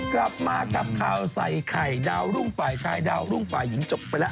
กลับมากับข่าวใส่ไข่ดาวรุ่งฝ่ายชายดาวรุ่งฝ่ายหญิงจบไปแล้ว